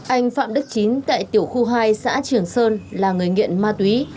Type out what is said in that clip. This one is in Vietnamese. anh phạm đức chín tại tiểu khu hai xã trường sơn là người nghiện ma túy